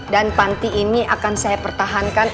dan panti ini akan saya pertahankan